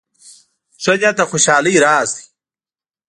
ښه نیت د خوشحالۍ راز دی.